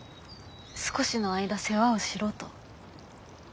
少しの間世話をしろと。